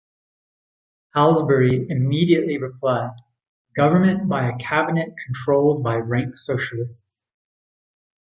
Halsbury immediately replied: "Government by a Cabinet controlled by rank socialists".